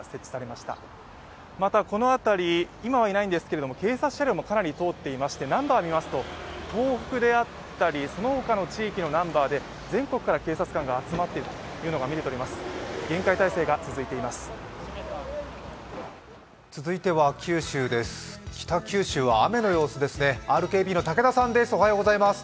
また、このあたり、今はいないんですけど警察車両がかなり通っていまして、ナンバーを見ますと東北であったり、その他の地域のナンバーで全国から警察官が集まっているというのが見てとれます。